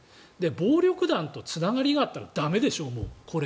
暴力団とつながりがあったらこれはもう駄目でしょう。